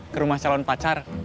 ke rumah calon pacar